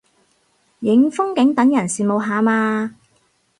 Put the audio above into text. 影風景等人羨慕下嘛